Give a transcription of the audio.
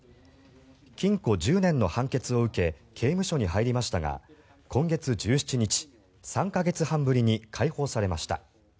禁錮１０年の判決を受け刑務所に入りましたが今月１７日、３か月半ぶりに解放されました。